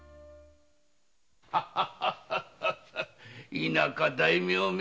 田舎大名め。